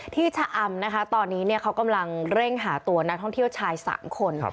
ชะอำนะคะตอนนี้เขากำลังเร่งหาตัวนักท่องเที่ยวชาย๓คน